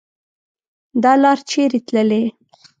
دا لار چیري تللي